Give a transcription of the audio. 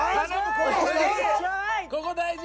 ここ大事！